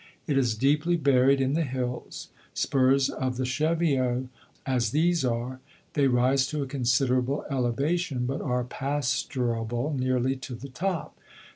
It is deeply buried in the hills. Spurs of the Cheviots as these are, they rise to a considerable elevation, but are pasturable nearly to the top.